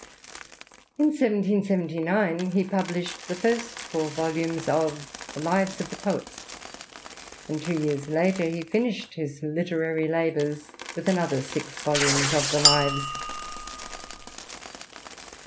In 1779 he published the first four volumes of The Lives of the PoetSy and two years later he finished his literary labours vdth another six volumes of the Lives.